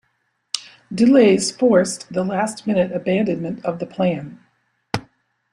Delays forced the last-minute abandonment of the plan.